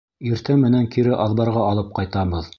Иртә менән кире аҙбарға алып ҡайтабыҙ.